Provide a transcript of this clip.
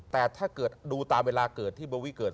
แต่ถ้าเกิดดูตามเวลาเกิดที่โบวิเกิด